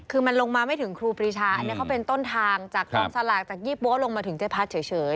คือมันลงมาไม่ถึงครูปรีชาอันนี้เขาเป็นต้นทางจากกองสลากจากยี่ปั๊วลงมาถึงเจ๊พัดเฉย